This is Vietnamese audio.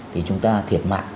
thì chúng ta thiệt mạng